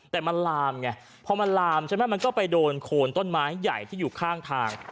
แต่มันลามไงพอมันลามใช่ไหมมันก็ไปโดนโคนต้นไม้ใหญ่ที่อยู่ข้างทาง